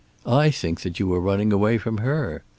I think that you were running away from her.